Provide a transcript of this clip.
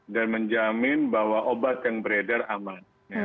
dan menjamin bahwa obat yang beredar aman